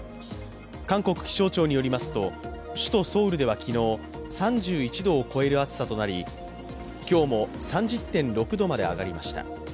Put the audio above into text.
韓国気象庁によりますと首都ソウルでは昨日、３１度を超える暑さとなり、今日も３０．６度まで上がりました。